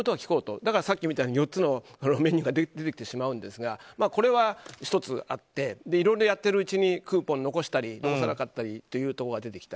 ですから、さっきの４つが出てきてしまうんですがこれは１つあっていろいろやっているうちにクーポンを残したり残さなかったりが出てきた。